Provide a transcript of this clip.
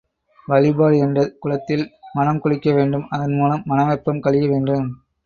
வழிபாடு என்ற குளத்தில் மனம் குளிக்க வேண்டும் அதன் மூலம் மனவெப்பம் கழிய வேண்டும்.